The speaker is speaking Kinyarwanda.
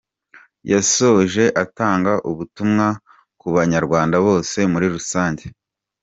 Yasoje atanga ubutumwa ku banyarwanda bose muri rusange.